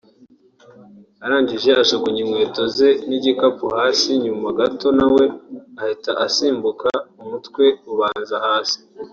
arangije ajugunya inkweto ze n’igikapu hasi nyuma gato nawe ahita asimbuka umutwe ubanza hasi”